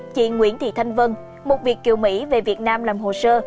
chị nguyễn thị thanh vân một việc kiều mỹ về việt nam làm hồ sơ